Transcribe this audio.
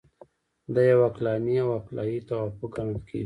دا یو عقلاني او عقلایي توافق ګڼل کیږي.